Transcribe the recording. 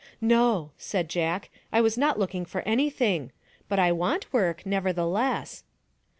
" No," said Jack, "I was not looking for anything, but I want work, nevertheless."